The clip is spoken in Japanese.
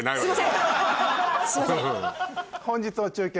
本日の中継